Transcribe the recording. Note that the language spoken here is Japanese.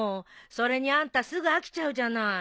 それにあんたすぐ飽きちゃうじゃない。